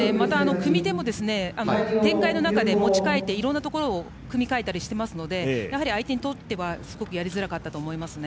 組み手も展開の中で持ち替えて、いろんなところを組み替えたりしていますので相手にとってはやりづらかったと思いますね。